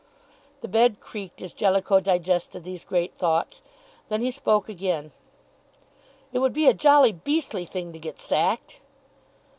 The bed creaked, as Jellicoe digested these great thoughts. Then he spoke again. "It would be a jolly beastly thing to get sacked."